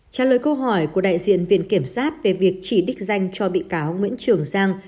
trả lời câu hỏi của đại diện viện kiểm sát về việc chỉ đích danh cho bị cáo nguyễn trường giang